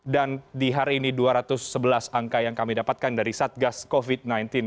dan di hari ini dua ratus sebelas angka yang kami dapatkan dari satgas covid sembilan belas